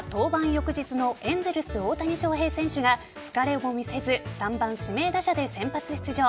翌日のエンゼルス・大谷翔平選手が疲れも見せず３番・指名打者で先発出場。